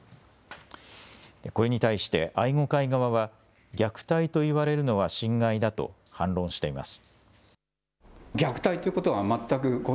これに対して愛護会側は虐待といわれるのは心外だと反論しています。